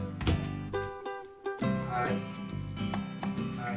はい。